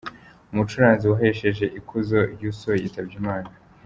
Umucuranzi wahesheje ikuzo Youssou yitabye Imana.